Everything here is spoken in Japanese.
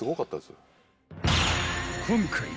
［今回］